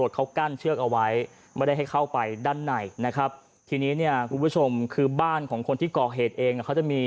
ใช่ใช่ไหมพี่อยากขอโทษเขาไหม